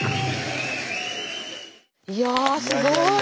いやすごい。